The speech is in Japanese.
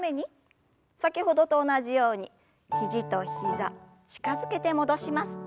先ほどと同じように肘と膝近づけて戻します。